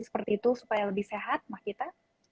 seperti itu supaya lebih sehat mbak tita